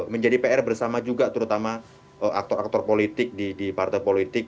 menjadi pr bersama juga terutama aktor aktor politik di partai politik